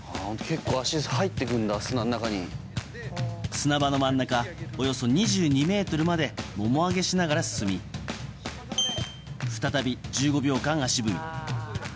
砂場の真ん中およそ２２ｍまでもも上げしながら進み再び１５秒間、足踏み。